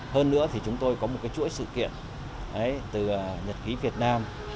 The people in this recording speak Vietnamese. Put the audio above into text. hơn nữa thì chúng tôi có một chuỗi sự kiện từ nhật ký việt nam